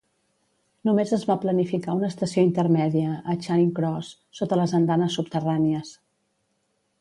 Només es va planificar una estació intermèdia, a Charing Cross, sota les andanes subterrànies.